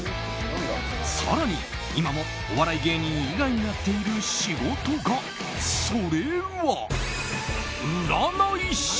更に、今もお笑い芸人以外でやっている仕事がそれは、占い師。